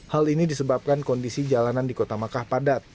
hal ini disebabkan kondisi jalanan di kota makkah padat